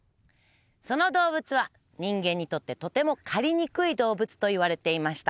その動物は人間にとってとても狩りにくい動物といわれていました